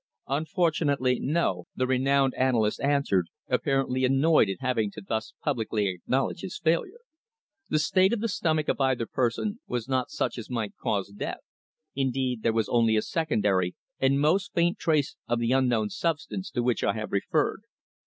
"Unfortunately, no," the renowned analyst answered, apparently annoyed at having to thus publicly acknowledge his failure. "The state of the stomach of either person was not such as might cause death. Indeed, there was only a secondary and most faint trace of the unknown substance to which I have referred."